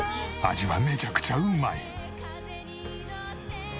味はめちゃくちゃうまい。